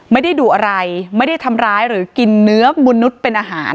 ไม่ได้ดูอะไรไม่ได้ทำร้ายหรือกินเนื้อมนุษย์เป็นอาหาร